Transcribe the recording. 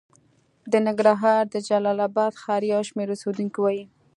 د ننګرهار د جلال اباد ښار یو شمېر اوسېدونکي وايي